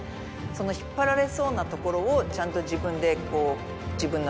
その引っ張られそうなところをちゃんと自分で。